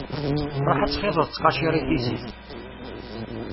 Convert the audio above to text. Ruḥ ad txiḍeḍ ttqacir i tizit.